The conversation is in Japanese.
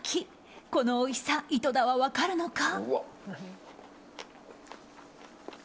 このおいしさ井戸田は分かるのか？